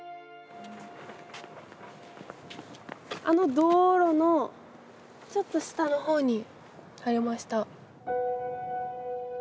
あの道路のちょっと下の方にありました。